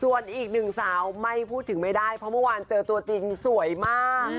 ส่วนอีกหนึ่งสาวไม่พูดถึงไม่ได้เพราะเมื่อวานเจอตัวจริงสวยมาก